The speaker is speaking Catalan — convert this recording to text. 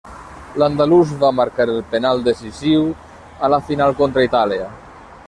L'andalús va marcar el penal decisiu a la final contra Itàlia.